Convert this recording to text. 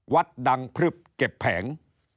วัดดังพลึบเก็บแผง